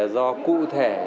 do cụ thể